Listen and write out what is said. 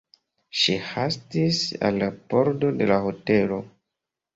Ŝi hastis al la pordo de la hotelo.